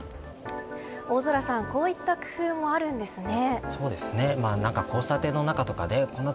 大空さんこういった工夫もあるんですね。